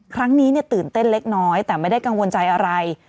ครั้งนี้ตื่นเต้นเล็กน้อยแต่ไม่ได้กังวลใจอะไร